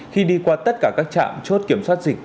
khi đi qua tất cả các trạm chốt kiểm soát dịch